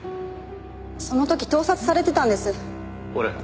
その時盗撮されてたんです。